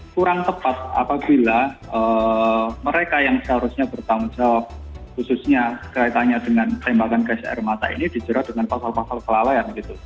kurang tepat apabila mereka yang seharusnya bertanggung jawab khususnya kaitannya dengan tembakan gas air mata ini dijerat dengan pasal pasal kelalaian gitu